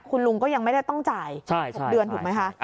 คุณลุงก็ยังไม่ได้ต้องจ่าย๖เดือนถูกไหมคะ